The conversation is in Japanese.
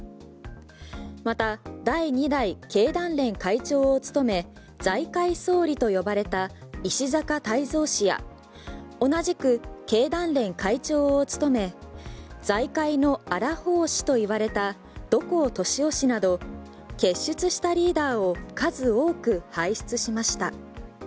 また、第２代経団連会長を務め財界総理と呼ばれた石坂泰三氏や同じく経団連会長を務め財界の荒法師と言われた土光敏夫氏など傑出したリーダーを数多く輩出しました。